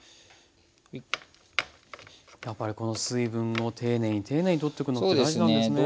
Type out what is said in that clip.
やっぱりこの水分も丁寧に丁寧に取っておくのって大事なんですね。